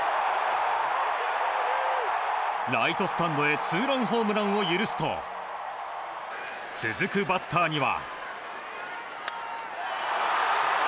ライトスタンドへツーランホームランを許すと続くバッターには。